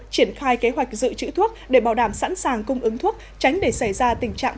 triển khai kế hoạch dự trữ thuốc để bảo đảm sẵn sàng cung ứng thuốc tránh để xảy ra tình trạng